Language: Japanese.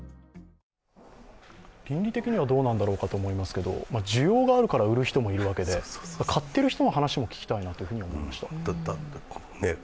倫理的にはどうなんだろうかと思いますが、需要があるから売る人もいるわけで、買っている人の話も聞きたいなと思いました。